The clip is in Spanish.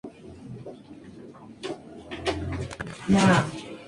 En Argentina se practica un juego similar, pero es menos violento.